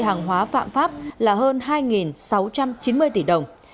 hàng hóa phạm pháp là hơn hai sáu trăm chín mươi tỷ đồng